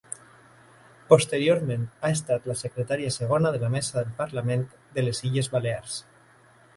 Posteriorment ha estat secretària segona de la Mesa del Parlament de les Illes Balears.